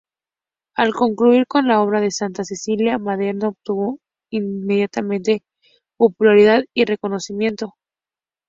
Al concluir con la obra de Santa Cecilia, Maderno obtuvo inmediatamente popularidad y reconocimiento.